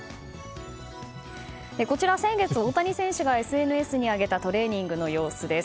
こちら、先月大谷選手がＳＮＳに挙げたトレーニングの様子です。